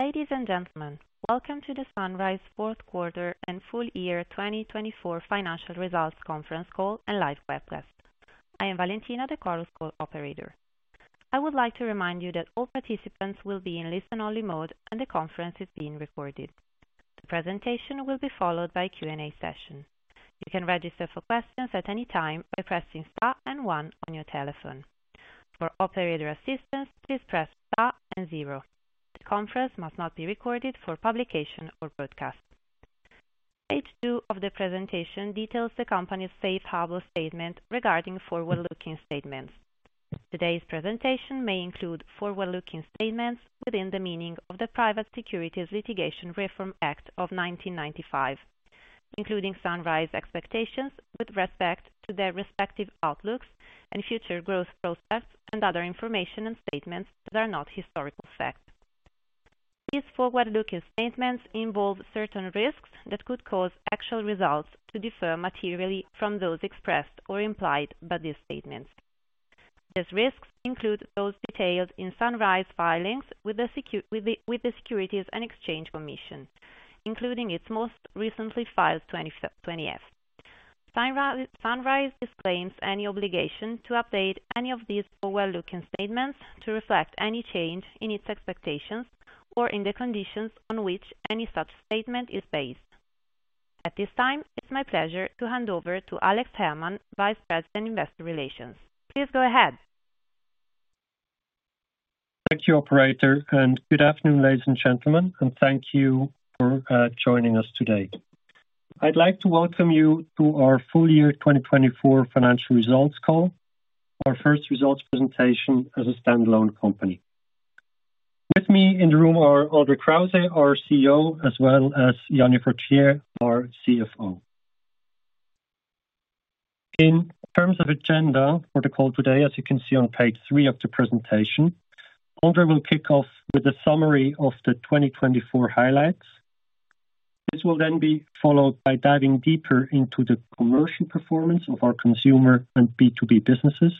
Ladies and gentlemen, welcome to the Sunrise Q4 and QE 2024 Financial Results Conference Call and Live Webcast. I am Valentina De Coro, call operator. I would like to remind you that all participants will be in listen-only mode and the conference is being recorded. The presentation will be followed by a Q&A session. You can register for questions at any time by pressing star and one on your telephone. For operator assistance, please press star and zero. The conference must not be recorded for publication or broadcast. Page two of the presentation details the company's safe harbor statement regarding forward-looking statements. Today's presentation may include forward-looking statements within the meaning of the Private Securities Litigation Reform Act of 1995, including Sunrise expectations with respect to their respective outlooks and future growth prospects and other information and statements that are not historical fact. These forward-looking statements involve certain risks that could cause actual results to differ materially from those expressed or implied by these statements. These risks include those detailed in Sunrise filings with the Securities and Exchange Commission, including its most recently filed Form 20-Fs. Sunrise disclaims any obligation to update any of these forward-looking statements to reflect any change in its expectations or in the conditions on which any such statement is based. At this time, it's my pleasure to hand over to Alex Herrmann, Vice President, Investor Relations. Please go ahead. Thank you, Operator, and good afternoon, ladies and gentlemen, and thank you for joining us today. I'd like to welcome you to our full year 2024 financial results call, our first results presentation as a standalone company. With me in the room are André Krause, our CEO, as well as Jany Fruytier, our CFO. In terms of agenda for the call today, as you can see on page 3 of the presentation, André will kick off with a summary of the 2024 highlights. This will then be followed by diving deeper into the commercial performance of our consumer and B2B businesses,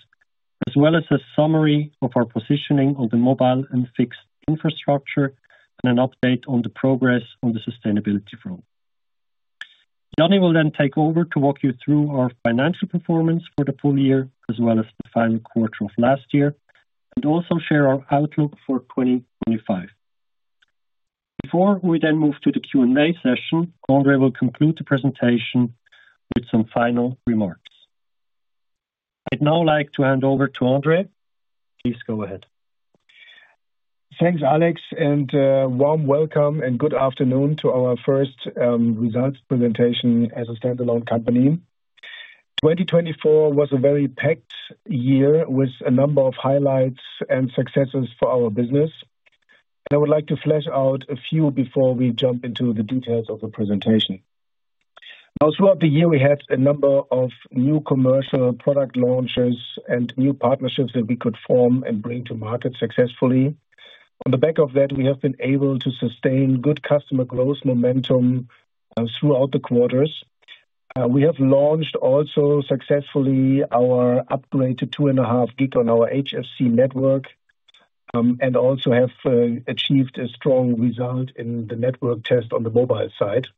as well as a summary of our positioning on the mobile and fixed infrastructure and an update on the progress on the sustainability front. Jany will then take over to walk you through our financial performance for the full year, as well as the final quarter of last year, and also share our outlook for 2025. Before we then move to the Q&A session, André will conclude the presentation with some final remarks. I'd now like to hand over to André. Please go ahead. Thanks, Alex, and a warm welcome and good afternoon to our first results presentation as a standalone company. 2024 was a very packed year with a number of highlights and successes for our business. I would like to flesh out a few before we jump into the details of the presentation. Now, throughout the year, we had a number of new commercial product launches and new partnerships that we could form and bring to market successfully. On the back of that, we have been able to sustain good customer growth momentum throughout the quarters. We have launched also successfully our upgraded two and a half gig on our HFC network and also have achieved a strong result in the network test on the mobile side.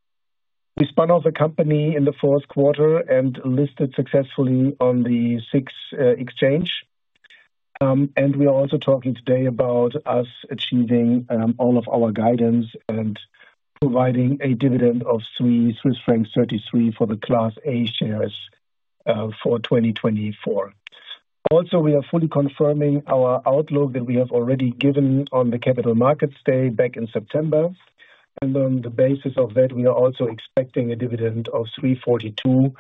We spun off a company in the fourth quarter and listed successfully on the SIX exchange. We are also talking today about us achieving all of our guidance and providing a dividend of 3.33 Swiss francs for the Class A Shares for 2024. Also, we are fully confirming our outlook that we have already given on the capital markets day back in September. And on the basis of that, we are also expecting a dividend of 3.42,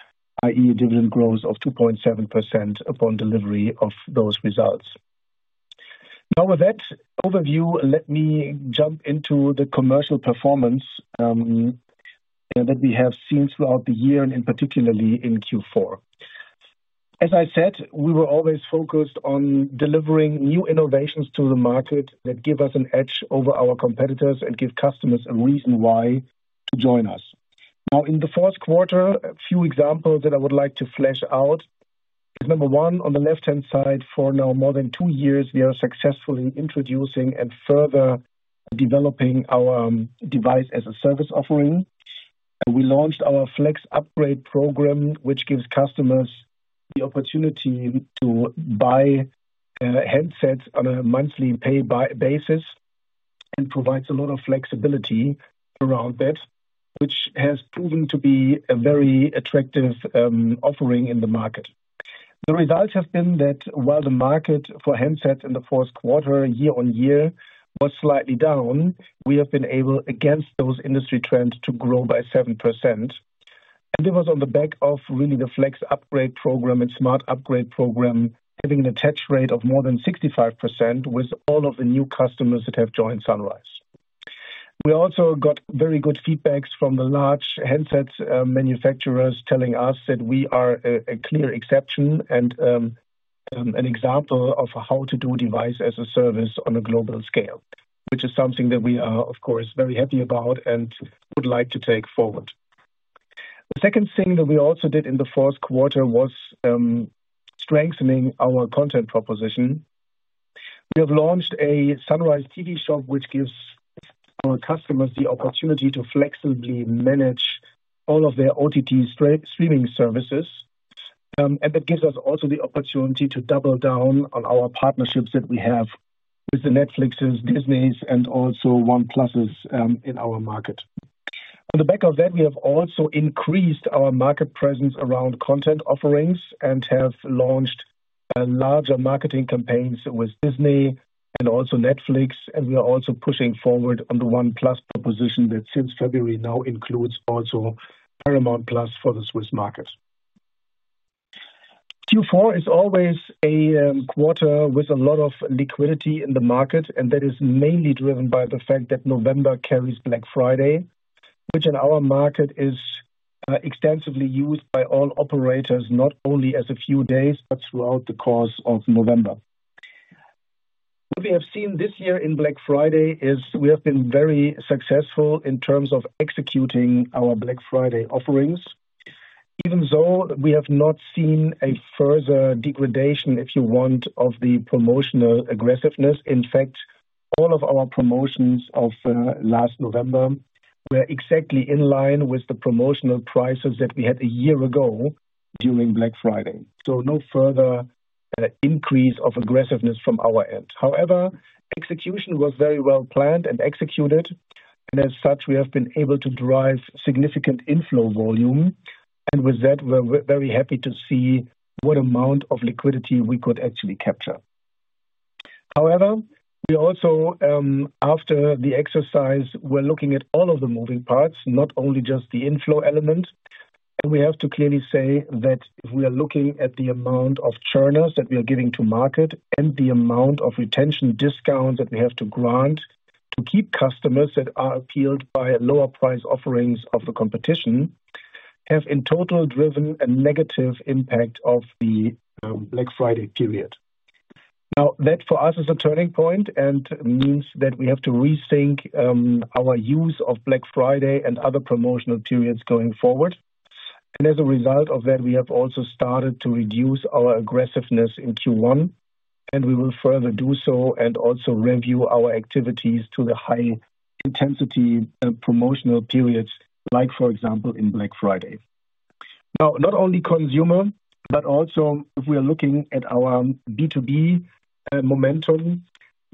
i.e., a dividend growth of 2.7% upon delivery of those results. Now, with that overview, let me jump into the commercial performance that we have seen throughout the year and particularly in Q4. As I said, we were always focused on delivering new innovations to the market that give us an edge over our competitors and give customers a reason why to join us. Now, in the fourth quarter, a few examples that I would like to flesh out is number one, on the left-hand side, for now more than two years, we are successfully introducing and further developing our device as a service offering. We launched our Flex Upgrade Program, which gives customers the opportunity to buy handsets on a monthly pay basis and provides a lot of flexibility around that, which has proven to be a very attractive offering in the market. The results have been that while the market for handsets in the fourth quarter, year on year, was slightly down, we have been able, against those industry trends, to grow by 7%, and it was on the back of really the Flex Upgrade Program and Smart Upgrade Program, having an attach rate of more than 65% with all of the new customers that have joined Sunrise. We also got very good feedback from the large handset manufacturers telling us that we are a clear exception and an example of how to do device as a service on a global scale, which is something that we are, of course, very happy about and would like to take forward. The second thing that we also did in the fourth quarter was strengthening our content proposition. We have launched a Sunrise TV Shop, which gives our customers the opportunity to flexibly manage all of their OTT streaming services. And that gives us also the opportunity to double down on our partnerships that we have with the Netflixes, Disneys, and also Canal+ in our market. On the back of that, we have also increased our market presence around content offerings and have launched larger marketing campaigns with Disney and also Netflix. We are also pushing forward on the Canal+ proposition that since February now includes also Paramount+ for the Swiss market. Q4 is always a quarter with a lot of liquidity in the market, and that is mainly driven by the fact that November carries Black Friday, which in our market is extensively used by all operators, not only as a few days, but throughout the course of November. What we have seen this year in Black Friday is we have been very successful in terms of executing our Black Friday offerings, even though we have not seen a further degradation, if you want, of the promotional aggressiveness. In fact, all of our promotions of last November were exactly in line with the promotional prices that we had a year ago during Black Friday. No further increase of aggressiveness from our end. However, execution was very well planned and executed, and as such, we have been able to drive significant inflow volume, and with that, we're very happy to see what amount of liquidity we could actually capture. However, we also, after the exercise, were looking at all of the moving parts, not only just the inflow element. We have to clearly say that if we are looking at the amount of churners that we are giving to market and the amount of retention discounts that we have to grant to keep customers that are appealed by lower price offerings of the competition have in total driven a negative impact of the Black Friday period. Now, that for us is a turning point and means that we have to rethink our use of Black Friday and other promotional periods going forward. As a result of that, we have also started to reduce our aggressiveness in Q1, and we will further do so and also review our activities to the high intensity promotional periods, like for example, in Black Friday. Now, not only consumer, but also if we are looking at our B2B momentum,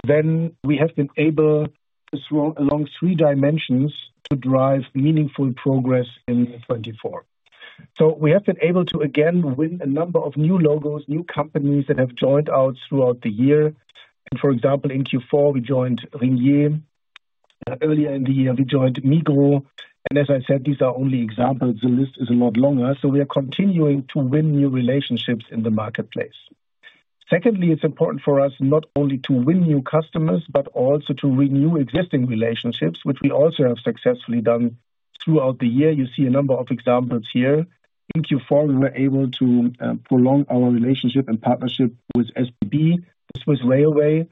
then we have been able to thrive along three dimensions to drive meaningful progress in 2024. So we have been able to again win a number of new logos, new companies that have joined us throughout the year. For example, in Q4, we joined Ringier. Earlier in the year, we joined Migros. And as I said, these are only examples. The list is a lot longer. So we are continuing to win new relationships in the marketplace. Secondly, it's important for us not only to win new customers, but also to renew existing relationships, which we also have successfully done throughout the year. You see a number of examples here. In Q4, we were able to prolong our relationship and partnership with SBB, Swiss Railways,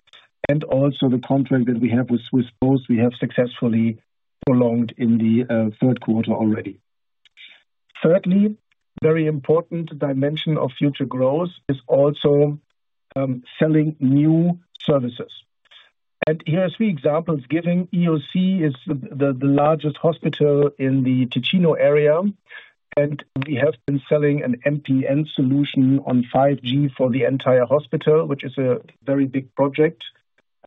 and also the contract that we have with Swiss Post we have successfully prolonged in the third quarter already. Thirdly, very important dimension of future growth is also selling new services. And here are three examples given. EOC is the largest hospital in the Ticino area, and we have been selling an MPN solution on 5G for the entire hospital, which is a very big project,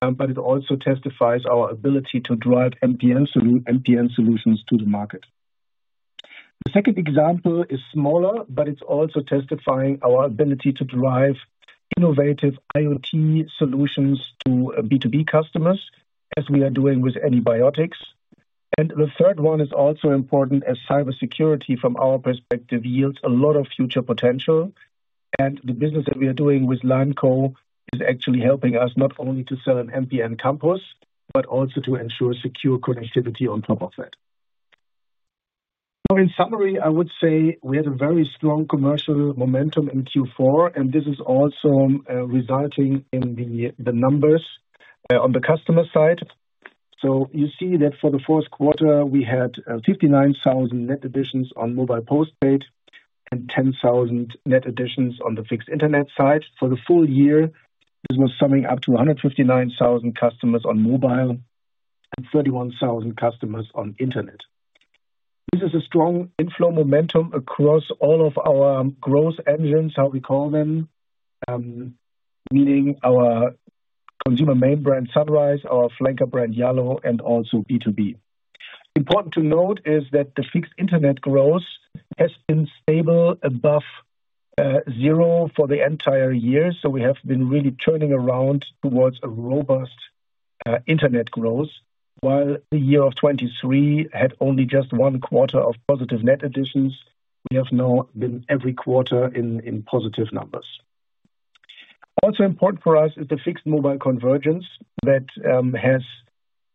but it also testifies our ability to drive MPN solutions to the market. The second example is smaller, but it's also testifying our ability to drive innovative IoT solutions to B2B customers, as we are doing with antibiotics, and the third one is also important as cybersecurity from our perspective yields a lot of future potential, and the business that we are doing with Lyreco is actually helping us not only to sell an MPN campus, but also to ensure secure connectivity on top of that. In summary, I would say we had a very strong commercial momentum in Q4, and this is also resulting in the numbers on the customer side, so you see that for the fourth quarter, we had 59,000 net additions on mobile postpaid and 10,000 net additions on the fixed internet side. For the full year, this was summing up to 159,000 customers on mobile and 31,000 customers on internet. This is a strong inflow momentum across all of our growth engines, how we call them, meaning our consumer main brand Sunrise, our flanker brand, and also B2B. Important to note is that the fixed internet growth has been stable above zero for the entire year. So we have been really turning around towards a robust internet growth, while the year of 2023 had only just one quarter of positive net additions. We have now been every quarter in positive numbers. Also important for us is the fixed mobile convergence that has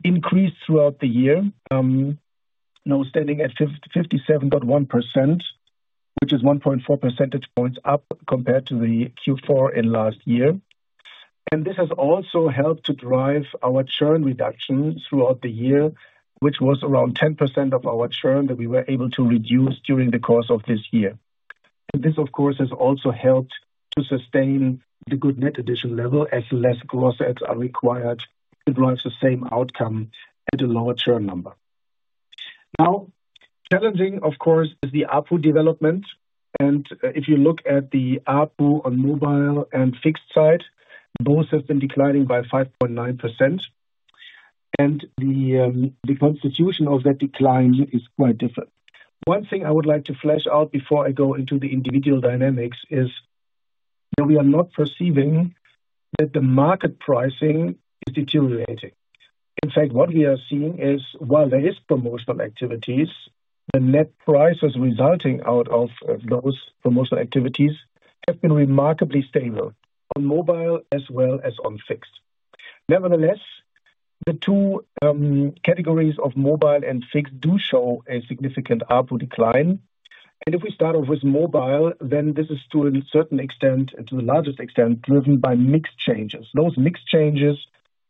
increased throughout the year, now standing at 57.1%, which is 1.4 percentage points up compared to the Q4 in last year. And this has also helped to drive our churn reduction throughout the year, which was around 10% of our churn that we were able to reduce during the course of this year. This, of course, has also helped to sustain the good net addition level as less gross adds are required to drive the same outcome with a lower churn number. Now, challenging, of course, is the ARPU development. If you look at the ARPU on mobile and fixed side, both have been declining by 5.9%. And the composition of that decline is quite different. One thing I would like to flesh out before I go into the individual dynamics is that we are not perceiving that the market pricing is deteriorating. In fact, what we are seeing is, while there are promotional activities, the net prices resulting out of those promotional activities have been remarkably stable on mobile as well as on fixed. Nevertheless, the two categories of mobile and fixed do show a significant ARPU decline. If we start off with mobile, then this is to a certain extent, to the largest extent, driven by mix changes. Those mix changes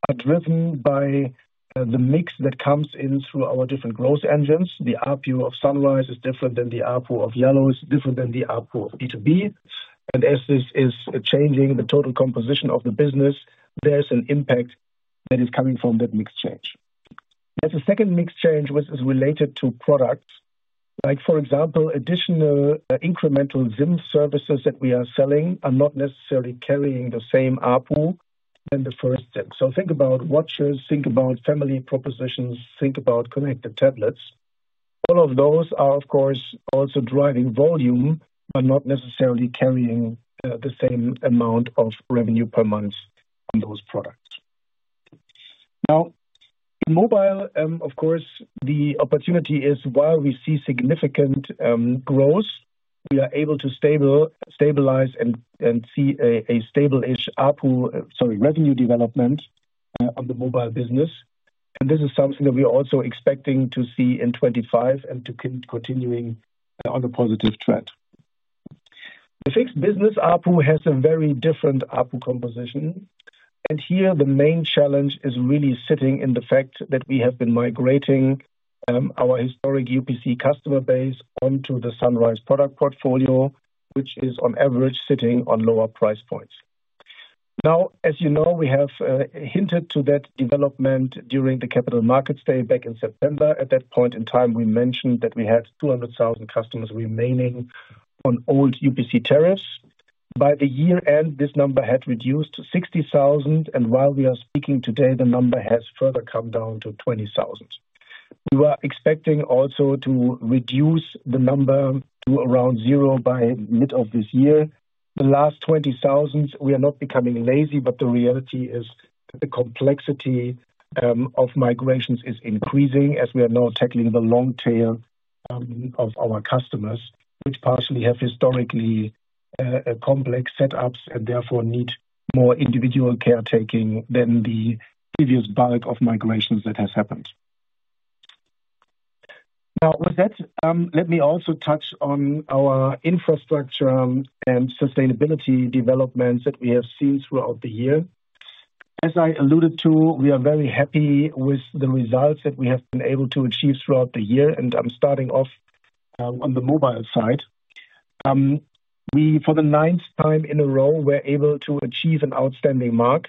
are driven by the mix that comes in through our different growth engines. The ARPU of Sunrise is different than the ARPU of Yallo, is different than the ARPU of B2B. And as this is changing the total composition of the business, there's an impact that is coming from that mix change. There's a second mix change which is related to products. Like for example, additional incremental SIM services that we are selling are not necessarily carrying the same ARPU than the first SIM. So think about watches, think about family propositions, think about connected tablets. All of those are, of course, also driving volume, but not necessarily carrying the same amount of revenue per month in those products. Now, mobile, of course, the opportunity is, while we see significant growth, we are able to stabilize and see a stable-ish ARPU, sorry, revenue development on the mobile business. And this is something that we are also expecting to see in 2025 and to continue on a positive trend. The fixed business ARPU has a very different ARPU composition. And here, the main challenge is really sitting in the fact that we have been migrating our historic UPC customer base onto the Sunrise product portfolio, which is on average sitting on lower price points. Now, as you know, we have hinted to that development during the capital markets day back in September. At that point in time, we mentioned that we had 200,000 customers remaining on old UPC tariffs. By the year end, this number had reduced to 60,000. And while we are speaking today, the number has further come down to 20,000. We were expecting also to reduce the number to around zero by mid of this year. The last 20,000, we are not becoming lazy, but the reality is that the complexity of migrations is increasing as we are now tackling the long tail of our customers, which partially have historically complex setups and therefore need more individual caretaking than the previous bulk of migrations that has happened. Now, with that, let me also touch on our infrastructure and sustainability developments that we have seen throughout the year. As I alluded to, we are very happy with the results that we have been able to achieve throughout the year. And I'm starting off on the mobile side. We, for the ninth time in a row, were able to achieve an outstanding mark.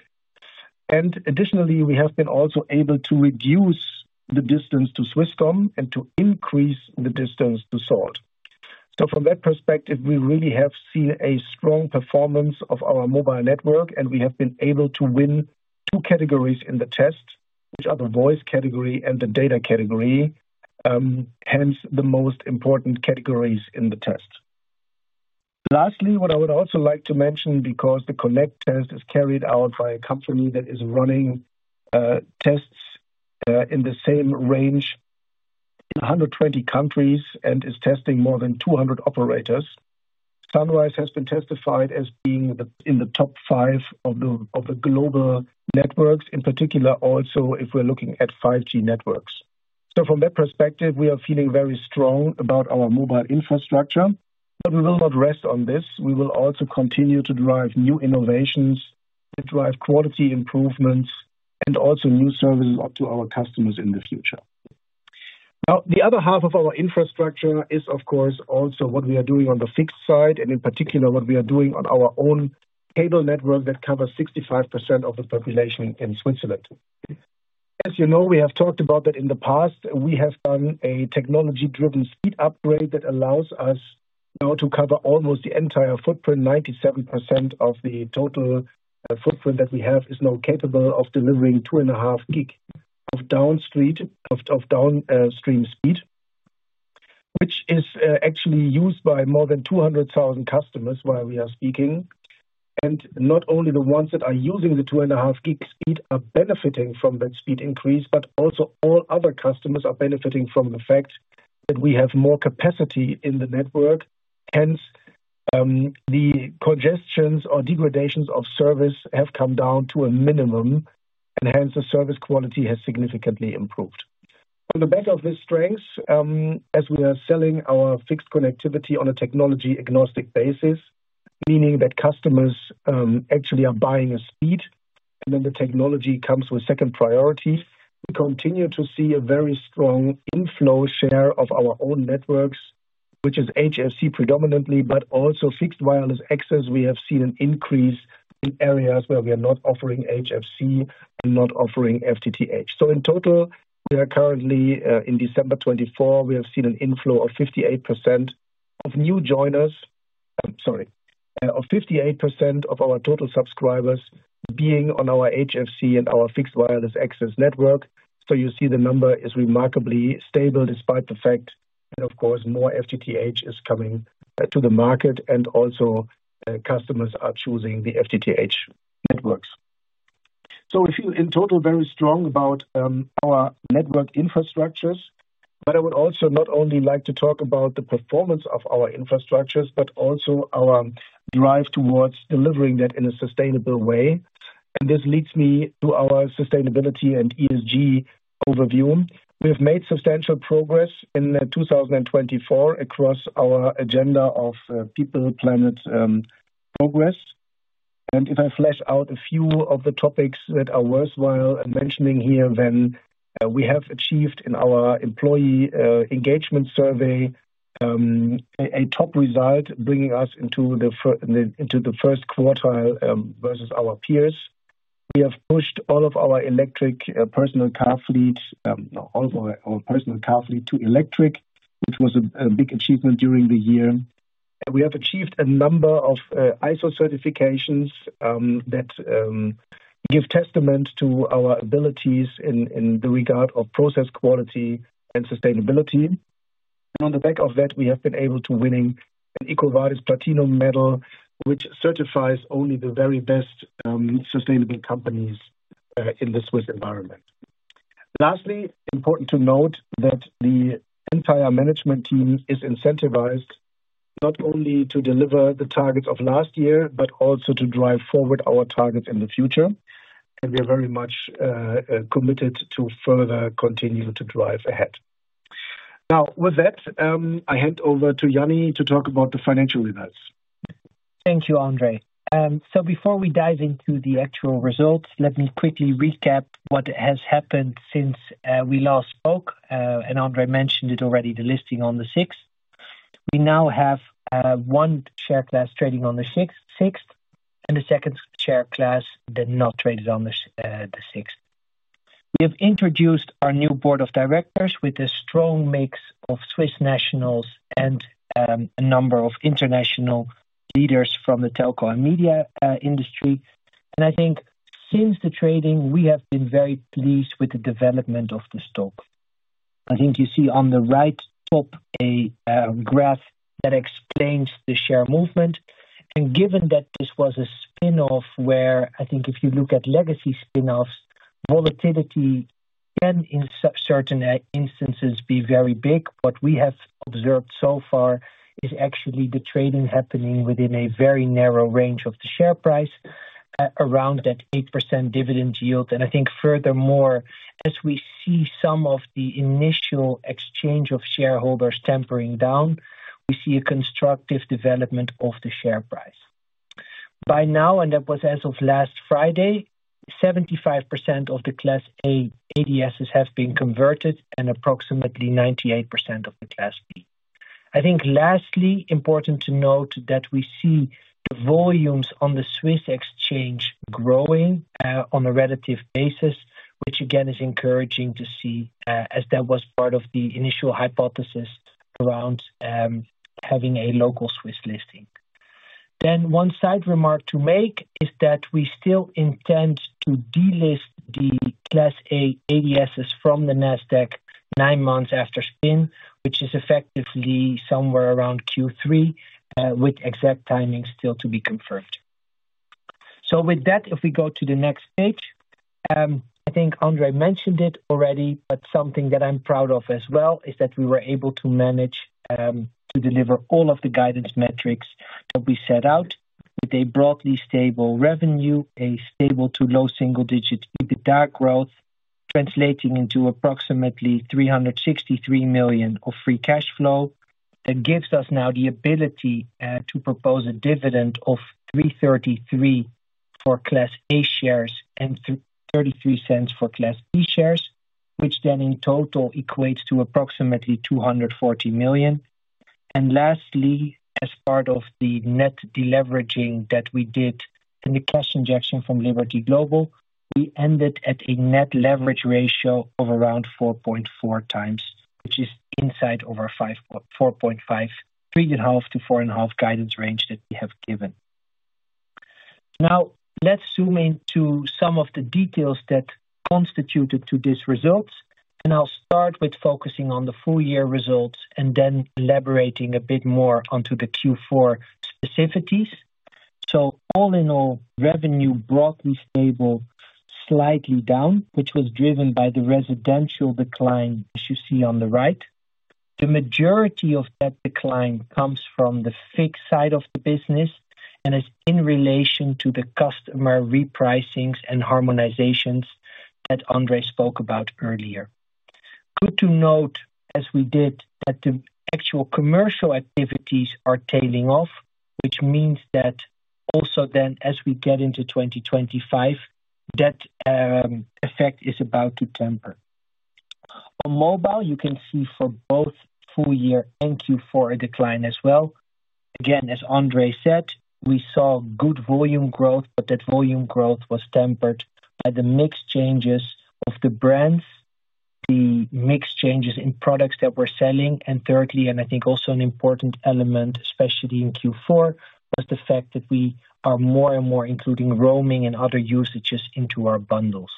Additionally, we have been also able to reduce the distance to Swisscom and to increase the distance to Salt. From that perspective, we really have seen a strong performance of our mobile network, and we have been able to win two categories in the test, which are the voice category and the data category, hence the most important categories in the test. Lastly, what I would also like to mention, because the connect test is carried out by a company that is running tests in the same range, 120 countries, and is testing more than 200 operators. Sunrise has been certified as being in the top five of the global networks, in particular also if we're looking at 5G networks. From that perspective, we are feeling very strong about our mobile infrastructure, but we will not rest on this. We will also continue to drive new innovations, drive quality improvements, and also new services to our customers in the future. Now, the other half of our infrastructure is, of course, also what we are doing on the fixed side, and in particular what we are doing on our own cable network that covers 65% of the population in Switzerland. As you know, we have talked about that in the past. We have done a technology-driven speed upgrade that allows us now to cover almost the entire footprint. 97% of the total footprint that we have is now capable of delivering two and a half gig of downstream speed, which is actually used by more than 200,000 customers while we are speaking. And not only the ones that are using the two and a half gig speed are benefiting from that speed increase, but also all other customers are benefiting from the fact that we have more capacity in the network. Hence, the congestions or degradations of service have come down to a minimum, and hence the service quality has significantly improved. On the back of this strength, as we are selling our fixed connectivity on a technology-agnostic basis, meaning that customers actually are buying a speed, then the technology comes with second priorities. We continue to see a very strong inflow share of our own networks, which is HFC predominantly, but also fixed wireless access. We have seen an increase in areas where we are not offering HFC and not offering FTTH. So in total, there are currently, in December 2024, we have seen an inflow of 58% of new joiners. Sorry, of 58% of our total subscribers being on our HFC and our fixed wireless access network. You see the number is remarkably stable despite the fact that, of course, more FTTH is coming to the market and also customers are choosing the FTTH networks. We feel in total very strong about our network infrastructures, but I would also not only like to talk about the performance of our infrastructures, but also our drive towards delivering that in a sustainable way. This leads me to our sustainability and ESG overview. We have made substantial progress in 2024 across our agenda of people, planet, progress. If I flesh out a few of the topics that are worthwhile mentioning here, then we have achieved in our employee engagement survey a top result, bringing us into the first quartile versus our peers. We have pushed all of our personal car fleet to electric. This was a big achievement during the year. We have achieved a number of ISO certifications that give testament to our abilities in the regard of process quality and sustainability. On the back of that, we have been able to win an EcoVadis Platinum medal, which certifies only the very best sustainable companies in the Swiss environment. Lastly, important to note that the entire management team is incentivized not only to deliver the targets of last year, but also to drive forward our targets in the future. We are very much committed to further continue to drive ahead. Now, with that, I hand over to Jany to talk about the financial results. Thank you, André. Before we dive into the actual results, let me quickly recap what has happened since we last spoke. André mentioned it already, the listing on SIX. We now have one share class trading on SIX and a second share class that's not traded on SIX. We have introduced our new board of directors with a strong mix of Swiss nationals and a number of international leaders from the telco and media industry. I think since the trading, we have been very pleased with the development of the stock. I think you see on the right top a graph that explains the share movement. Given that this was a spin-off, where I think if you look at legacy spin-offs, volatility can in certain instances be very big. What we have observed so far is actually the trading happening within a very narrow range of the share price around that eight% dividend yield. I think furthermore, as we see some of the initial exchange of shareholders tapering down, we see a constructive development of the share price. By now, and that was as of last Friday, 75% of the class A ADSs have been converted and approximately 98% of the class B. I think lastly, important to note that we see volumes on the Swiss exchange growing on a relative basis, which again is encouraging to see as that was part of the initial hypothesis around having a local Swiss listing. Then one side remark to make is that we still intend to delist the class A ADSs from the Nasdaq nine months after spin, which is effectively somewhere around Q3, with exact timing still to be confirmed. So with that, if we go to the next page, I think André mentioned it already, but something that I'm proud of as well is that we were able to manage to deliver all of the guidance metrics that we set out with a broadly stable revenue, a stable to low single digit EBITDA growth, translating into approximately 363 million of free cash flow that gives us now the ability to propose a dividend of 3.33 for class A shares and 0.33 for class B shares, which then in total equates to approximately 240 million. Lastly, as part of the net deleveraging that we did in the pre-IPO injection from Liberty Global, we ended at a net leverage ratio of around 4.4 times, which is inside of our 4.5, guidance range that we have given. Now, let's zoom into some of the details that contributed to these results. I'll start with focusing on the full year results and then elaborating a bit more onto the Q4 specificities. All in all, revenue broadly stable slightly down, which was driven by the residential decline as you see on the right. The majority of that decline comes from the fixed side of the business and is in relation to the customer repricings and harmonizations that André spoke about earlier. Good to note as we did that the actual commercial activities are tailing off, which means that also then as we get into 2025, that effect is about to temper. For mobile, you can see for both full year and Q4 a decline as well. Again, as André said, we saw good volume growth, but that volume growth was tempered by the mixed changes of the brands, the mixed changes in products that we're selling. And thirdly, and I think also an important element, especially in Q4, was the fact that we are more and more including roaming and other usages into our bundles.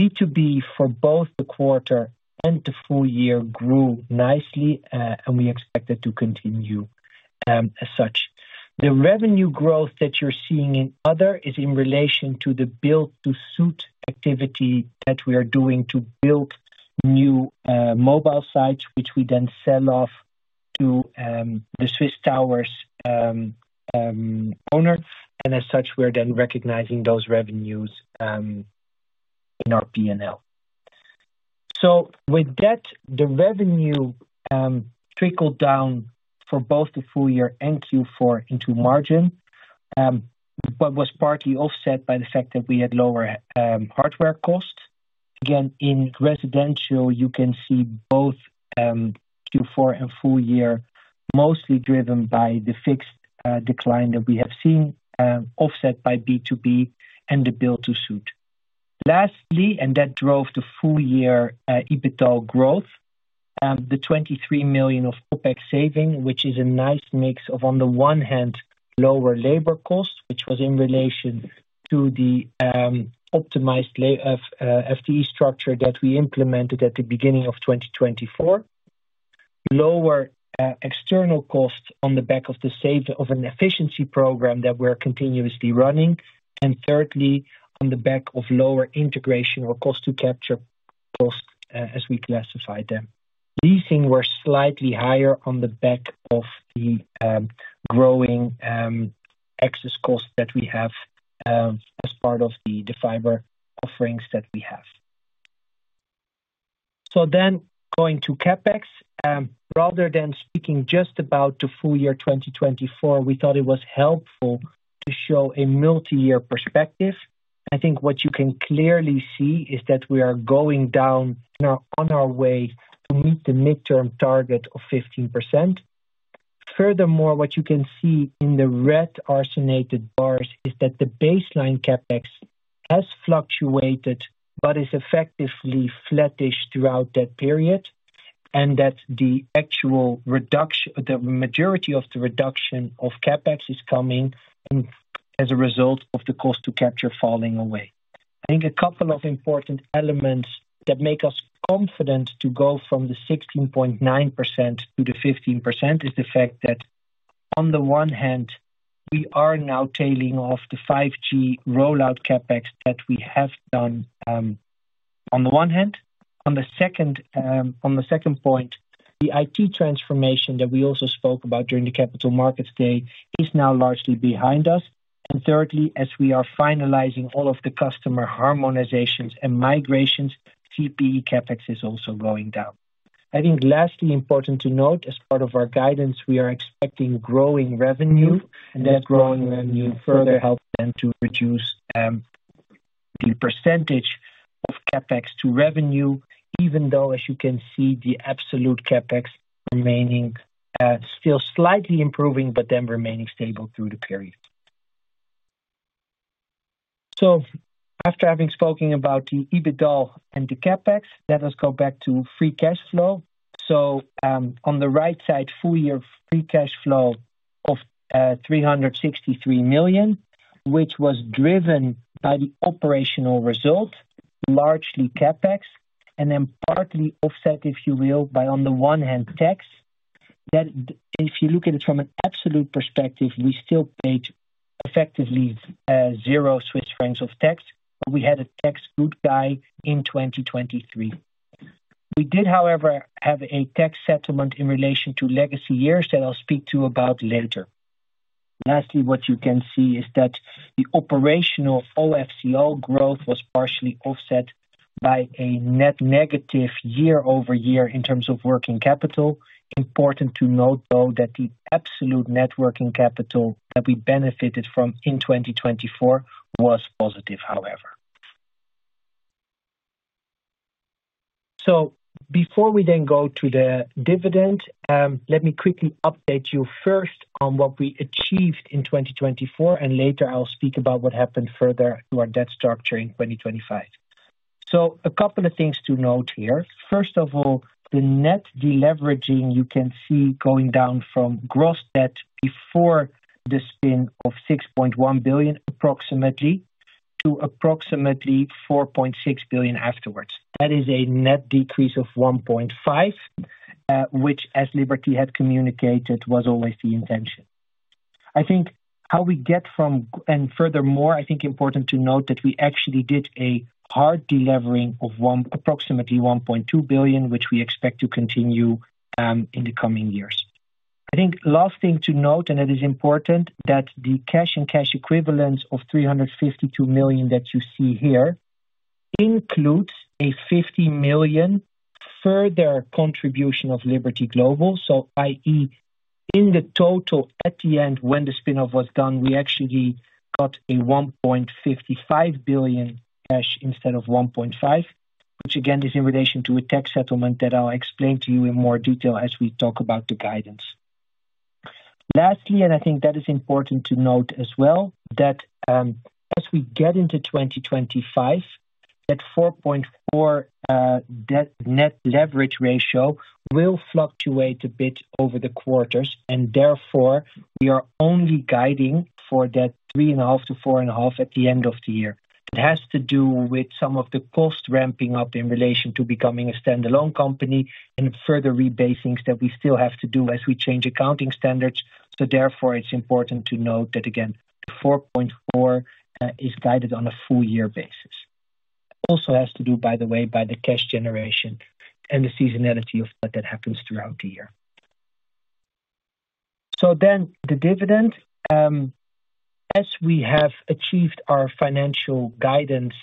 B2B for both the quarter and the full year grew nicely, and we expect it to continue as such. The revenue growth that you're seeing in other is in relation to the build-to-suit activity that we are doing to build new mobile sites, which we then sell off to the Swiss Towers owner. And as such, we're then recognizing those revenues in our P&L. So with that, the revenue trickled down for both the full year and Q4 into margin, but was partly offset by the fact that we had lower hardware costs. Again, in residential, you can see both Q4 and full year mostly driven by the fixed decline that we have seen, offset by B2B and the build-to-suit. Lastly, and that drove the full-year EBITDA growth, the 23 million of OpEx saving, which is a nice mix of on the one hand, lower labor costs, which was in relation to the optimized FTE structure that we implemented at the beginning of 2024, lower external costs on the back of the save of an efficiency program that we're continuously running, and thirdly, on the back of lower integration or cost-to-capture costs as we classify them. These things were slightly higher on the back of the growing excess costs that we have as part of the fiber offerings that we have. So then going to CapEx, rather than speaking just about the full year 2024, we thought it was helpful to show a multi-year perspective. I think what you can clearly see is that we are going down on our way to meet the mid-term target of 15%. Furthermore, what you can see in the red annotated bars is that the baseline CapEx has fluctuated, but is effectively flattish throughout that period, and that the actual reduction, the majority of the reduction of CapEx is coming as a result of the cost-to-capture falling away. I think a couple of important elements that make us confident to go from the 16.9% to the 15% is the fact that on the one hand, we are now tailing off the 5G rollout CapEx that we have done on the one hand. On the second point, the IT transformation that we also spoke about during the Capital Markets Day is now largely behind us, and thirdly, as we are finalizing all of the customer harmonizations and migrations, CPE CapEx is also going down. I think lastly, important to note as part of our guidance, we are expecting growing revenue, and that growing revenue further helps them to reduce the percentage of CapEx to revenue, even though, as you can see, the absolute CapEx remaining still slightly improving, but then remaining stable through the period. So after having spoken about the EBITDA and the CapEx, let us go back to free cash flow. So on the right side, full year free cash flow of 363 million, which was driven by the operational result, largely CapEx, and then partly offset, if you will, by on the one hand, tax. Then if you look at it from an absolute perspective, we still paid effectively zero Swiss of tax. We had a tax goodie in 2023. We did, however, have a tax settlement in relation to legacy years that I'll speak to about later. Lastly, what you can see is that the operational OFCO growth was partially offset by a net negative year-over-year in terms of working capital. Important to note though that the absolute net working capital that we benefited from in 2024 was positive, however, so before we then go to the dividend, let me quickly update you first on what we achieved in 2024, and later I'll speak about what happened further to our debt structure in 2025, so a couple of things to note here. First of all, the net deleveraging you can see going down from gross debt before the spin of 6.1 billion approximately to approximately 4.6 billion afterwards. That is a net decrease of 1.5 billion, which as Liberty had communicated was always the intention. I think how we get from, and furthermore, I think important to note that we actually did a hard delivering of approximately 1.2 billion, which we expect to continue in the coming years. I think last thing to note, and it is important that the cash and cash equivalents of 352 million that you see here includes a 50 million further contribution of Liberty Global. So, i.e., in the total at the end when the spin-off was done, we actually got 1.55 billion cash instead of 1.5 billion, which again is in relation to a tax settlement that I'll explain to you in more detail as we talk about the guidance. Lastly, and I think that is important to note as well, that as we get into 2025, that 4.4 net leverage ratio will fluctuate a bit over the quarters, and therefore we are only guiding for that 3.5-4.5 at the end of the year. It has to do with some of the cost ramping up in relation to becoming a standalone company and further rebasings that we still have to do as we change accounting standards. So therefore it's important to note that again, 4.4 is guided on a full year basis. Also has to do, by the way, with the cash generation and the seasonality of what that happens throughout the year. So then the dividend, as we have achieved our financial guidance,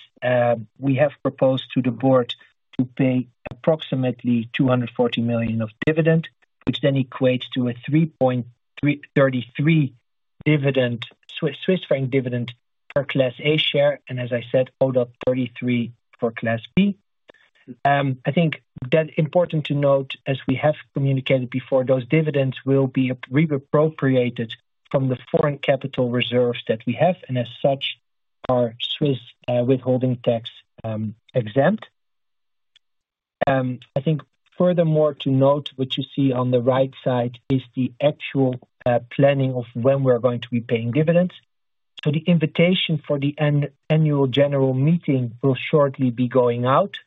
we have proposed to the board to pay approximately 240 million of dividend, which then equates to a 3.33 dividend, Swiss franc dividend per Class A share, and as I said, 0.33 for Class B. I think that important to note as we have communicated before, those dividends will be reappropriated from the foreign capital reserves that we have, and as such, our Swiss withholding tax exempt. I think furthermore to note what you see on the right side is the actual planning of when we're going to be paying dividends. So the invitation for the annual general meeting will shortly be going out.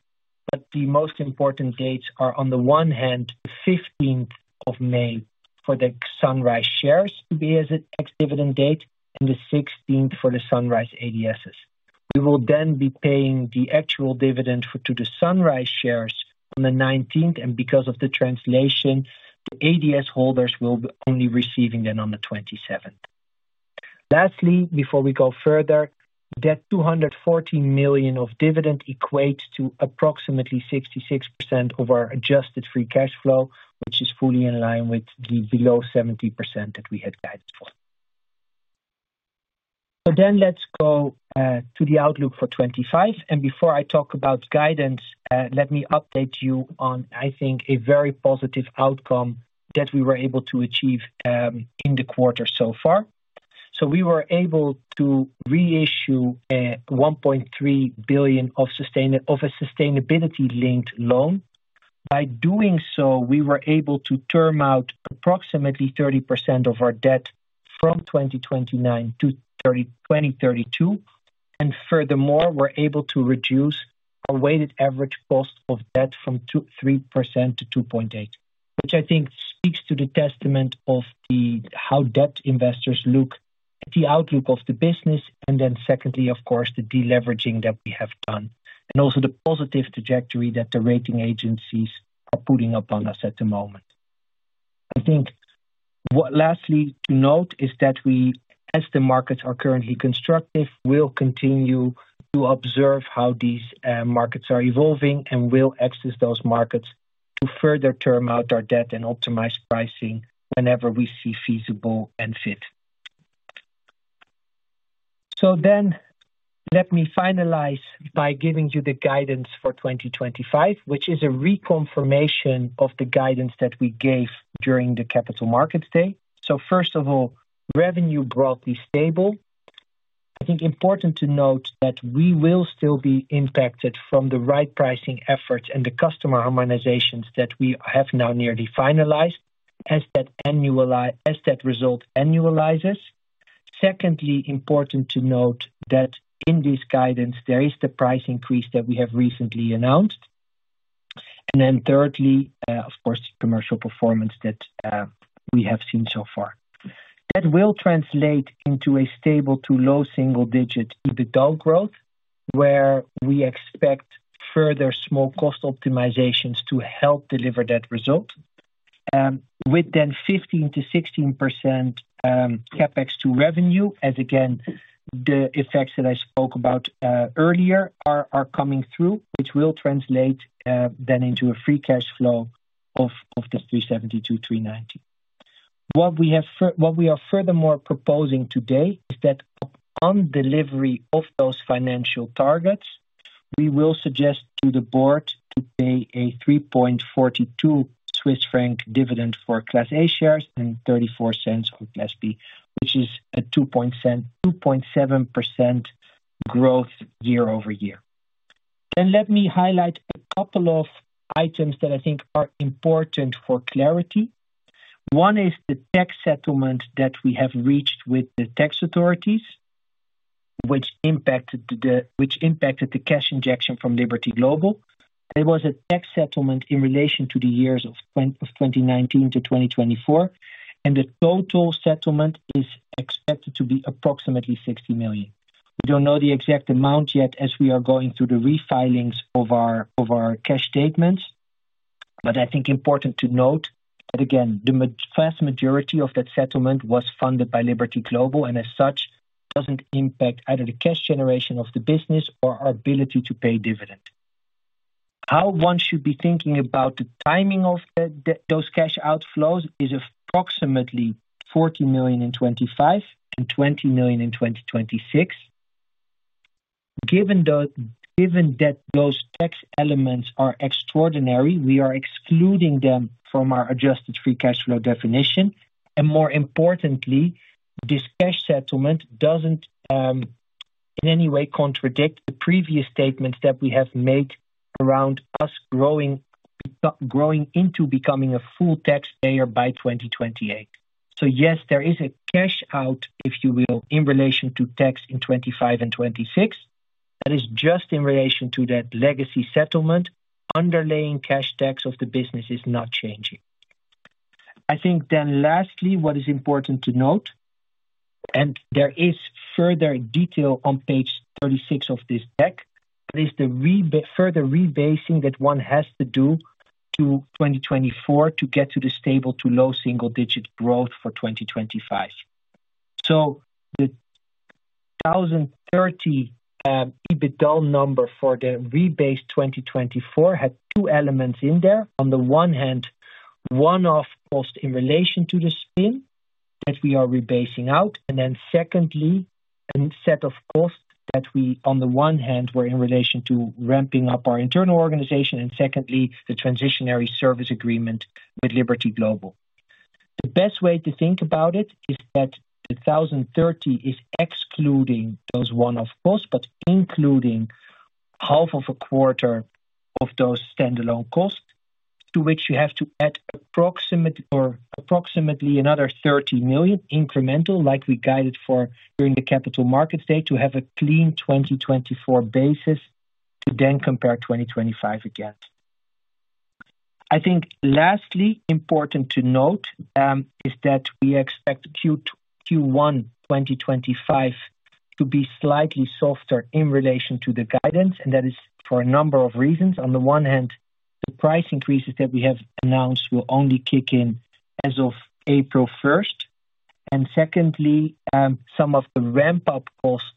The most important dates are on the one hand, 15th of May for the Sunrise shares to be as its dividend date and the 16th for the Sunrise ADSs. We will then be paying the actual dividend to the Sunrise shares on the 19th, and because of the translation, ADS holders will only receive it on the 27th. Lastly, before we go further, that 240 million of dividend equates to approximately 66% of our adjusted free cash flow, which is fully in line with the below 70% that we had guided for. So then let's go to the outlook for 2025, and before I talk about guidance, let me update you on, I think, a very positive outcome that we were able to achieve in the quarter so far. So we were able to reissue a 1.3 billion sustainability-linked loan. By doing so, we were able to term out approximately 30% of our debt from 2029-2032, and furthermore, we're able to reduce our weighted average cost of debt from 3% to 2.8%, which I think speaks to the testament of how debt investors look, the outlook of the business, and then secondly, of course, the deleveraging that we have done, and also the positive trajectory that the rating agencies are putting up on us at the moment. I think what lastly to note is that we, as the markets are currently constructive, will continue to observe how these markets are evolving and will access those markets to further term out our debt and optimize pricing whenever we see feasible and fit. So then let me finalize by giving you the guidance for 2025, which is a reconfirmation of the guidance that we gave during the Capital Markets Day. So first of all, revenue broadly stable. I think important to note that we will still be impacted from the right pricing efforts and the customer harmonizations that we have now nearly finalized as that result annualizes. Secondly, important to note that in this guidance, there is the price increase that we have recently announced. And then thirdly, of course, commercial performance that we have seen so far. That will translate into a stable to low single-digit EBITDA growth where we expect further small cost optimizations to help deliver that result, with then 15%-16% CapEx to revenue, as again, the effects that I spoke about earlier are coming through, which will translate then into a free cash flow of 372-390. What we are furthermore proposing today is that upon delivery of those financial targets, we will suggest to the board to pay a 3.42 Swiss franc dividend for Class A shares and 0.34 for Class B, which is a 2.7% growth year-over-year. Then let me highlight a couple of items that I think are important for clarity. One is the tax settlement that we have reached with the tax authorities, which impacted the cash injection from Liberty Global. There was a tax settlement in relation to the years of 2019-2024, and the total settlement is expected to be approximately 60 million. We don't know the exact amount yet as we are going through the refilings of our cash statements, but I think important to note that again, the vast majority of that settlement was funded by Liberty Global, and as such, doesn't impact either the cash generation of the business or our ability to pay dividend. How one should be thinking about the timing of those cash outflows is approximately 40 million in 2025 and 20 million in 2026. Given that those tax elements are extraordinary, we are excluding them from our adjusted free cash flow definition, and more importantly, this cash settlement doesn't in any way contradict the previous statements that we have made around us growing into becoming a full taxpayer by 2028. So yes, there is a cash out, if you will, in relation to tax in 2025 and 2026. That is just in relation to that legacy settlement. Underlying cash tax of the business is not changing. I think then lastly, what is important to note, and there is further detail on page 36 of this deck, is the further rebasing that one has to do to 2024 to get to the stable to low single-digit growth for 2025. So the 2030 EBITDA number for the rebased 2024 had two elements in there. On the one hand, one of costs in relation to the spin that we are rebasing out, and then secondly, a set of costs that we on the one hand were in relation to ramping up our internal organization, and secondly, the transitional service agreement with Liberty Global. The best way to think about it is that the 1,030 is excluding those one-off costs, but including half of a quarter of those standalone costs, to which you have to add approximately another 30 million incremental, like we guided for during the Capital Markets Day, to have a clean 2024 basis to then compare 2025 again. I think lastly, important to note is that we expect Q1 2025 to be slightly softer in relation to the guidance, and that is for a number of reasons. On the one hand, the price increases that we have announced will only kick in as of April 1st, and secondly, some of the ramp-up costs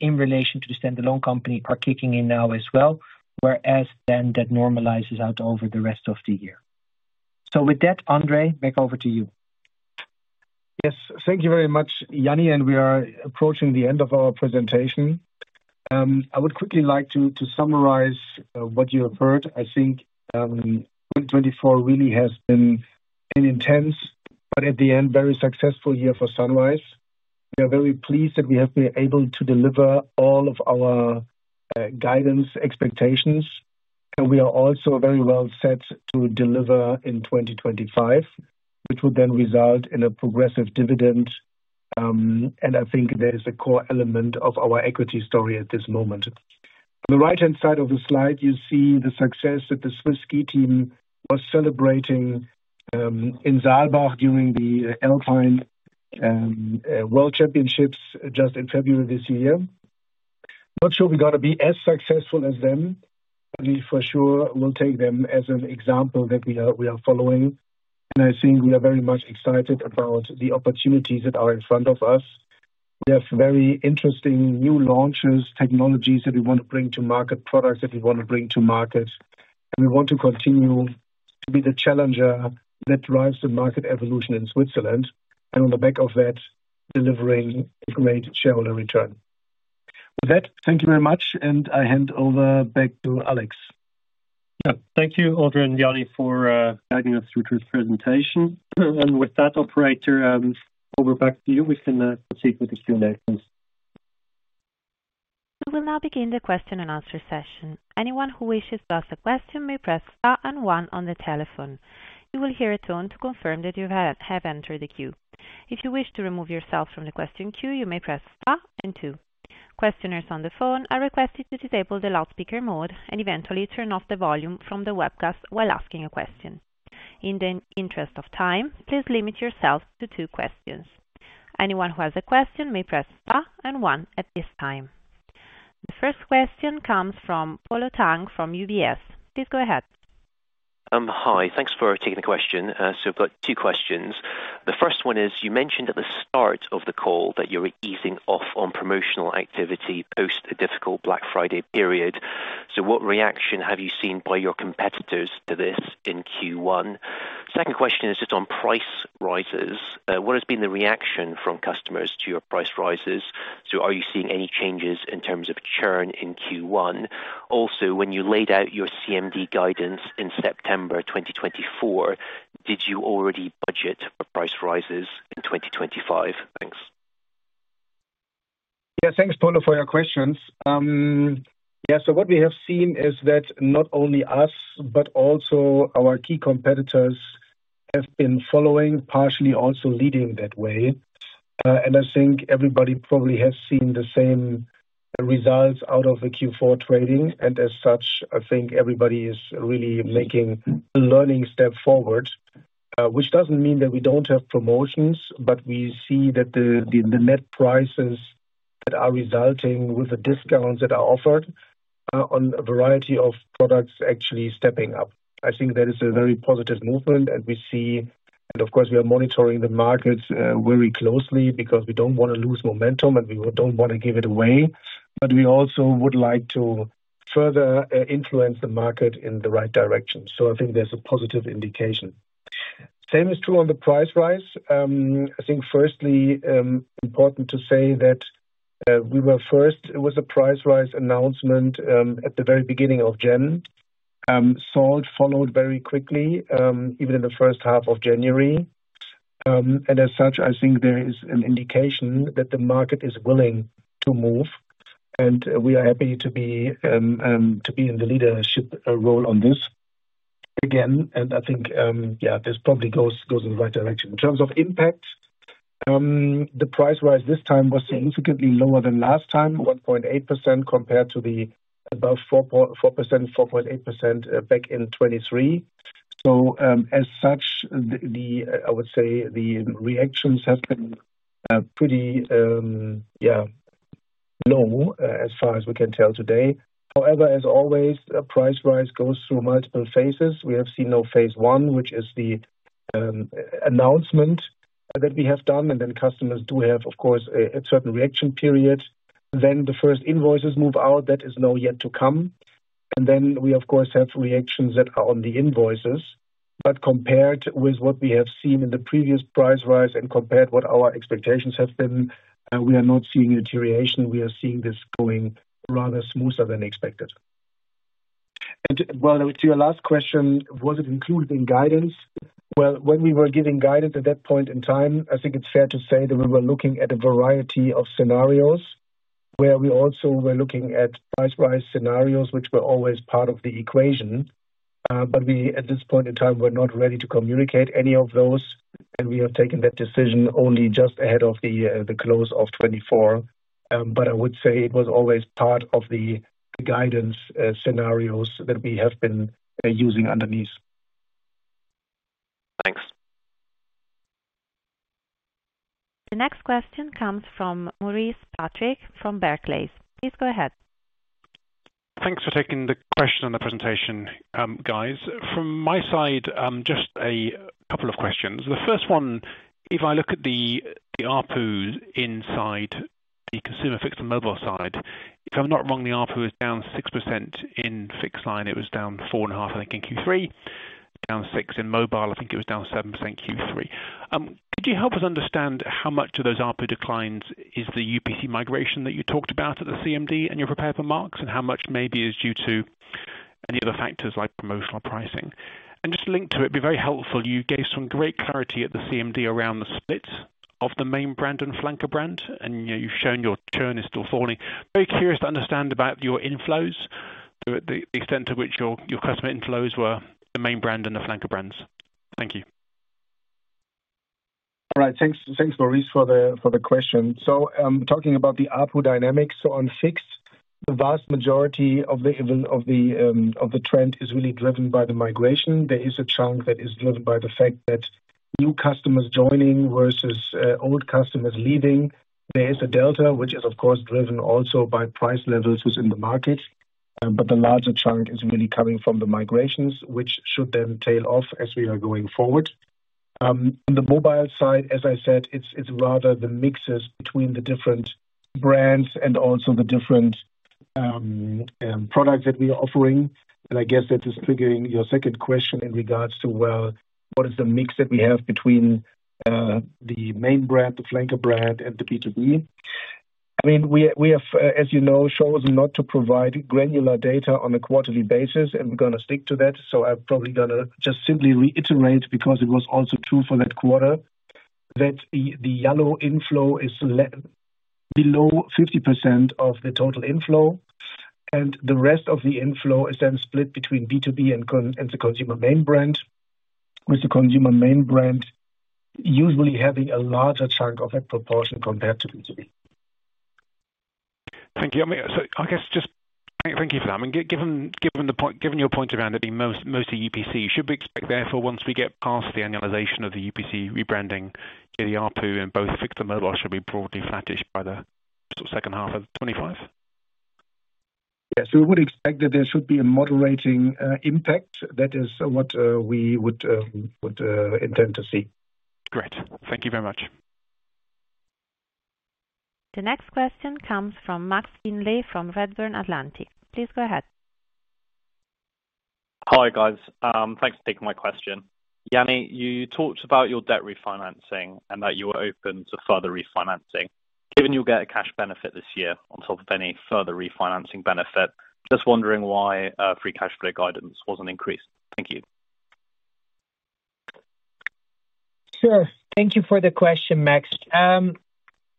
in relation to the standalone company are kicking in now as well, whereas then that normalizes out over the rest of the year, so with that, André, back over to you. Yes, thank you very much, Jany, and we are approaching the end of our presentation. I would quickly like to summarize what you have heard. I think 2024 really has been an intense, but at the end, very successful year for Sunrise. We are very pleased that we have been able to deliver all of our guidance expectations, and we are also very well set to deliver in 2025, which would then result in a progressive dividend, and I think there is a core element of our equity story at this moment. On the right-hand side of the slide, you see the success that the Swiss ski team was celebrating in Saalbach during the Alpine World Championships just in February this year. Not sure we're going to be as successful as them. We for sure will take them as an example that we are following, and I think we are very much excited about the opportunities that are in front of us. We have very interesting new launches, technologies that we want to bring to market, products that we want to bring to market. We want to continue to be the challenger that drives the market evolution in Switzerland, and on the back of that, delivering a great shareholder return. With that, thank you very much, and I hand over back to Alex. Thank you, André and Jany, for guiding us through this presentation. And with that, Operator, over back to you, we can proceed with the Q&A, please. We will now begin the question and answer session. Anyone who wishes to ask a question may press star and one on the telephone. You will hear a tone to confirm that you have entered the queue. If you wish to remove yourself from the question queue, you may press star and two. Questioners on the phone are requested to disable the loudspeaker mode and eventually turn off the volume from the webcast while asking a question. In the interest of time, please limit yourself to two questions. Anyone who has a question may press star and one at this time. The first question comes from Polo Tang from UBS. Please go ahead. Hi, thanks for taking the question. So I've got two questions. The first one is, you mentioned at the start of the call that you're easing off on promotional activity post a difficult Black Friday period. So what reaction have you seen by your competitors to this in Q1? Second question is just on price rises. What has been the reaction from customers to your price rises? So are you seeing any changes in terms of churn in Q1? Also, when you laid out your CMD guidance in September 2024, did you already budget for price rises in 2025? Thanks. Yeah, thanks, Polo, for your questions. Yeah, so what we have seen is that not only us, but also our key competitors have been following, partially also leading that way. And I think everybody probably has seen the same results out of the Q4 trading, and as such, I think everybody is really making a learning step forward, which doesn't mean that we don't have promotions, but we see that the net prices that are resulting with the discounts that are offered on a variety of products actually stepping up. I think that is a very positive movement, and we see, and of course, we are monitoring the markets very closely because we don't want to lose momentum and we don't want to give it away, but we also would like to further influence the market in the right direction. So I think that's a positive indication. Same is true on the price rise. I think firstly, important to say that we were first with a price rise announcement at the very beginning of January. Salt followed very quickly, even in the first half of January. And as such, I think there is an indication that the market is willing to move, and we are happy to be in the leadership role on this again. And I think, yeah, this probably goes in the right direction. In terms of impact, the price rise this time was significantly lower than last time, 1.8% compared to the above 4%, 4.8% back in 2023. As such, I would say the reactions have been pretty, yeah, normal as far as we can tell today. However, as always, a price rise goes through multiple phases. We have seen phase one, which is the announcement that we have done, and then customers do have, of course, a certain reaction period. Then the first invoices move out, that is now yet to come. Then we, of course, have reactions that are on the invoices, but compared with what we have seen in the previous price rise and compared what our expectations have been, we are not seeing a deterioration. We are seeing this going rather smoother than expected. To your last question, was it included in guidance? When we were giving guidance at that point in time, I think it's fair to say that we were looking at a variety of scenarios where we also were looking at price rise scenarios, which were always part of the equation. But we, at this point in time, were not ready to communicate any of those, and we have taken that decision only just ahead of the close of 2024. But I would say it was always part of the guidance scenarios that we have been using underneath. Thanks. The next question comes from Maurice Patrick from Barclays. Please go ahead. Thanks for taking the question on the presentation, guys. From my side, just a couple of questions. The first one, if I look at the ARPUs inside the Consumer Fixed and Mobile side, if I'm not wrong, the ARPU is down 6% in fixed line. It was down 4.5%, I think, in Q3, down 6% in mobile. I think it was down 7% in Q3. Could you help us understand how much of those ARPU declines is the UPC migration that you talked about at the CMD and your prep for March, and how much maybe is due to any other factors like promotional pricing? And just linked to it, it'd be very helpful. You gave some great clarity at the CMD around the split of the main brand and Flanker brand, and you've shown your churn is still falling. Very curious to understand about your inflows, the extent to which your customer inflows were the main brand and the Flanker brands. Thank you. All right, thanks, Maurice, for the question. So I'm talking about the ARPU dynamics. So on fixed, the vast majority of the trend is really driven by the migration. There is a chunk that is driven by the fact that new customers joining versus old customers leaving. There is a delta, which is, of course, driven also by price levels within the market, but the larger chunk is really coming from the migrations, which should then tail off as we are going forward. On the mobile side, as I said, it's rather the mixes between the different brands and also the different products that we are offering, and I guess that is triggering your second question in regards to, well, what is the mix that we have between the main brand, the Flanker brand, and the B2B? I mean, we have, as you know, chosen not to provide granular data on a quarterly basis, and we're going to stick to that. So I'm probably going to just simply reiterate, because it was also true for that quarter, that the Yallo inflow is below 50% of the total inflow, and the rest of the inflow is then split between B2B and the consumer main brand, with the consumer main brand usually having a larger chunk of that proportion compared to B2B. Thank you. So I guess just thank you for that. I mean, given your point around it being mostly UPC, should we expect therefore, once we get past the annualization of the UPC rebranding, the ARPU and both fixed and mobile should be broadly flattish by the second half of 2025? Yeah, so we would expect that there should be a moderating impact. That is what we would intend to see. Great. Thank you very much. The next question comes from Max Findlay from Redburn Atlantic. Please go ahead. Hi guys, thanks for taking my question. Jany, you talked about your debt refinancing and that you were open to further refinancing. Given you'll get a cash benefit this year on top of any further refinancing benefit, just wondering why free cash flow guidance wasn't increased. Thank you. Sure. Thank you for the question, Max.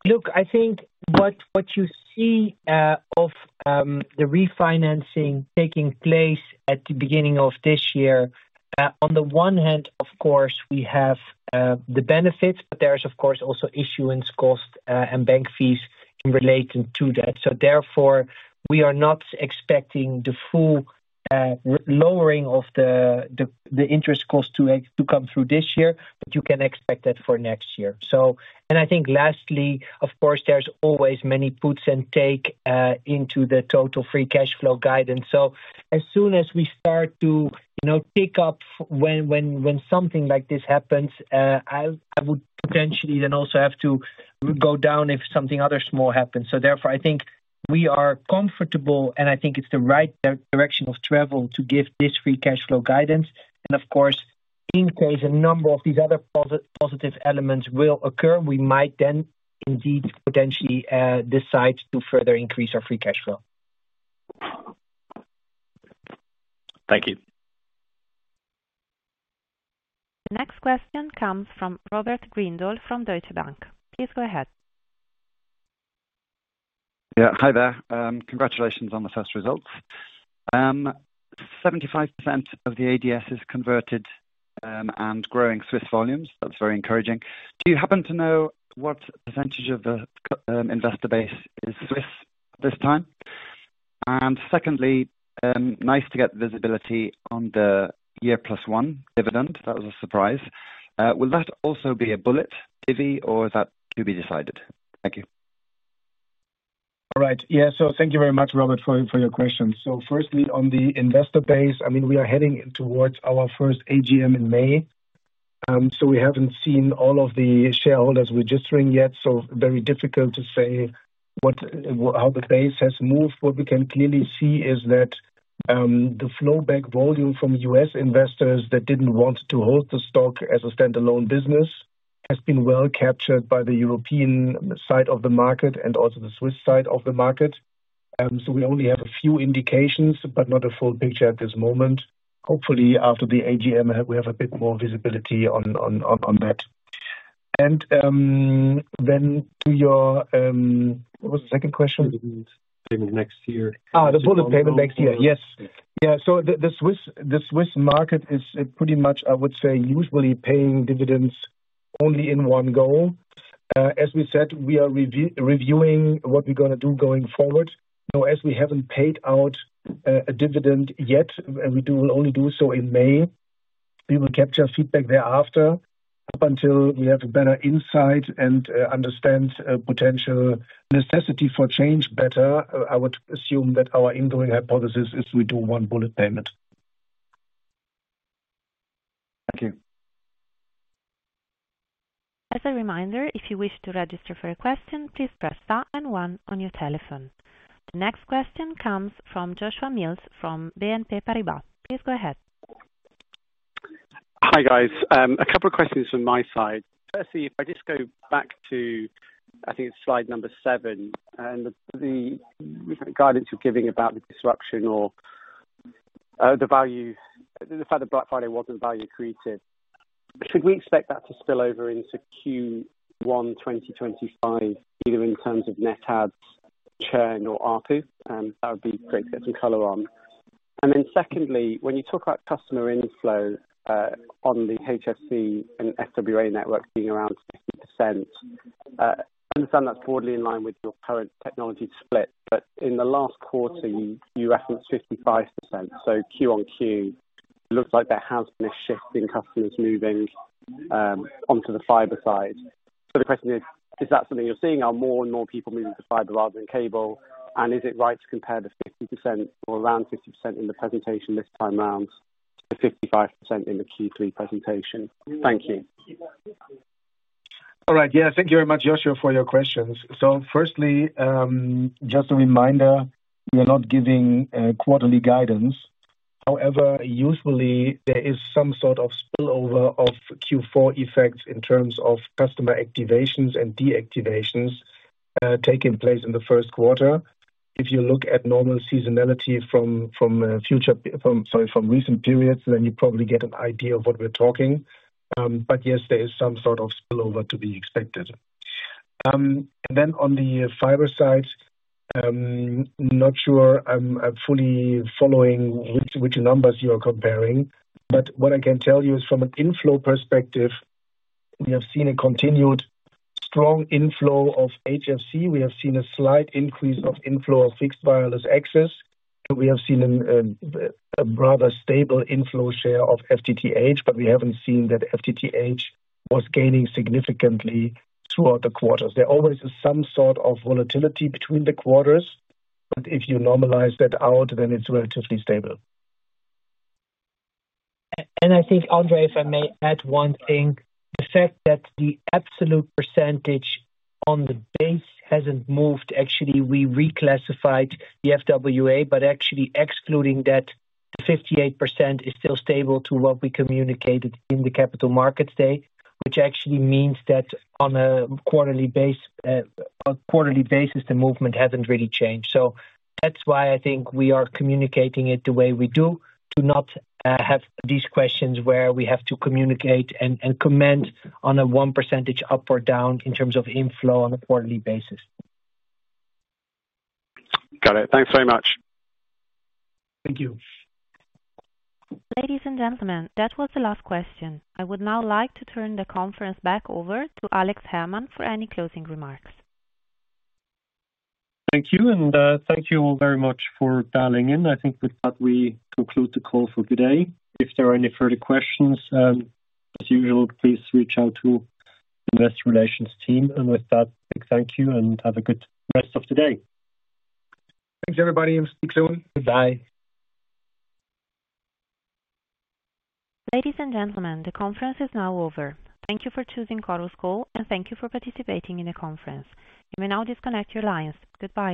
Look, I think what you see of the refinancing taking place at the beginning of this year, on the one hand, of course, we have the benefits, but there is, of course, also issuance cost and bank fees related to that. So therefore, we are not expecting the full lowering of the interest cost to come through this year, but you can expect that for next year. I think lastly, of course, there's always many puts and takes into the total free cash flow guidance. So as soon as we start to pick up when something like this happens, I would potentially then also have to go down if something other small happens. So therefore, I think we are comfortable, and I think it's the right direction of travel to give this free cash flow guidance. And of course, in case a number of these other positive elements will occur, we might then indeed potentially decide to further increase our free cash flow. Thank you. The next question comes from Robert Grindle from Deutsche Bank. Please go ahead. Yeah, hi there. Congratulations on the first results. 75% of the ADS is converted and growing Swiss volumes. That's very encouraging. Do you happen to know what percentage of the investor base is Swiss this time? And secondly, nice to get visibility on the year plus one dividend. That was a surprise. Will that also be a bullet, Divi, or is that to be decided? Thank you. All right. Yeah, so thank you very much, Robert, for your question. So firstly, on the investor base, I mean, we are heading towards our first AGM in May. So we haven't seen all of the shareholders registering yet, so very difficult to say how the base has moved. What we can clearly see is that the flowback volume from U.S. investors that didn't want to hold the stock as a standalone business has been well captured by the European side of the market and also the Swiss side of the market. So we only have a few indications, but not a full picture at this moment. Hopefully, after the AGM, we have a bit more visibility on that. And then to your, what was the second question? Dividend next year. The bullet payment next year, yes. Yeah, so the Swiss market is pretty much, I would say, usually paying dividends only in one go. As we said, we are reviewing what we're going to do going forward. So as we haven't paid out a dividend yet, we will only do so in May. We will capture feedback thereafter until we have a better insight and understand potential necessity for change better. I would assume that our incoming hypothesis is we do one bullet payment. Thank you. As a reminder, if you wish to register for a question, please press star and one on your telephone. The next question comes from Joshua Mills from BNP Paribas. Please go ahead. Hi guys. A couple of questions from my side. Firstly, if I just go back to, I think it's slide number seven, and the guidance you're giving about the disruption or the value, the fact that Black Friday wasn't value created, should we expect that to spill over into Q1 2025, either in terms of net adds, churn, or ARPU? That would be great to get some color on. And then secondly, when you talk about customer inflow on the HFC and FWA network being around 50%, I understand that's broadly in line with your current technology split, but in the last quarter, you referenced 55%. So Q on Q, it looks like there has been a shift in customers moving onto the fiber side. So the question is, is that something you're seeing? Are more and more people moving to fiber rather than cable? Is it right to compare the 50% or around 50% in the presentation this time around to 55% in the Q3 presentation? Thank you. All right, yeah, thank you very much, Joshua, for your questions. So firstly, just a reminder, we are not giving quarterly guidance. However, usually, there is some sort of spillover of Q4 effects in terms of customer activations and deactivations taking place in the first quarter. If you look at normal seasonality from future, sorry, from recent periods, then you probably get an idea of what we're talking. But yes, there is some sort of spillover to be expected. And then on the fiber side, not sure I'm fully following which numbers you are comparing, but what I can tell you is from an inflow perspective, we have seen a continued strong inflow of HFC. We have seen a slight increase of inflow of fixed wireless access. We have seen a rather stable inflow share of FTTH, but we haven't seen that FTTH was gaining significantly throughout the quarters. There always is some sort of volatility between the quarters, but if you normalize that out, then it's relatively stable, And I think, André, if I may add one thing, the fact that the absolute percentage on the base hasn't moved. Actually, we reclassified the FWA, but actually excluding that 58% is still stable to what we communicated in the Capital Markets Day, which actually means that on a quarterly basis, the movement hasn't really changed. So that's why I think we are communicating it the way we do, to not have these questions where we have to communicate and comment on a 1% up or down in terms of inflow on a quarterly basis. Got it. Thanks very much. Thank you. Ladies and gentlemen, that was the last question. I would now like to turn the conference back over to Alex Herrmann for any closing remarks. Thank you, and thank you all very much for dialing in. I think with that, we conclude the call for today. If there are any further questions, as usual, please reach out to the Investor Relations team, and with that, thank you and have a good rest of the day. Thanks, everybody. We'll speak soon. Goodbye. Ladies and gentlemen, the conference is now over. Thank you for choosing CorusCall, and thank you for participating in the conference. You may now disconnect your lines. Goodbye.